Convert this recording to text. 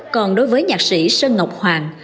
còn đối với nhạc sĩ sơn ngọc hoàng